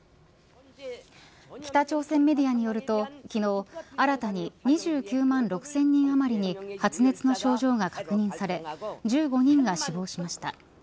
北朝鮮メディアによると昨日新たに２９万６０００人余りに発熱の症状が確認され１５人が死亡しました。